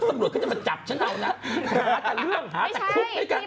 ตำรวจเขาจะมาจับฉันเอานะหาแต่เรื่องหาแต่คุกแล้วกัน